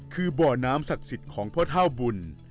คือบ่อน้ำศักดิ์สิทธิ์ของพ่อเท่าบุญ